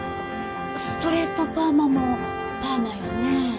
ストレートパーマもパーマよね。